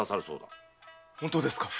本当ですか？